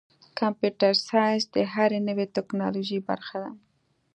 کمپیوټر ساینس د هرې نوې ټکنالوژۍ برخه ده.